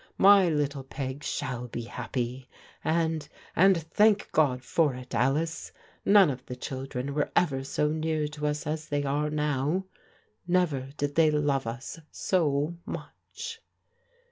My little Peg shall be happy; and — and thank God for it, Alice, none of the children were ever so near to us as they are now ; never did they love us so much."